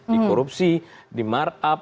di korupsi di markup